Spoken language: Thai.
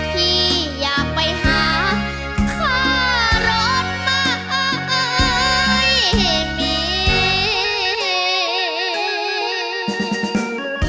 พี่อยากไปหาข้ารถไหม